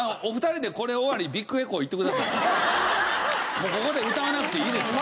もうここで歌わなくていいですから。